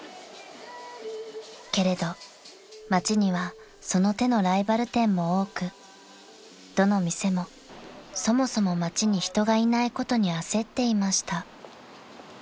［けれど街にはその手のライバル店も多くどの店もそもそも街に人がいないことに焦っていました］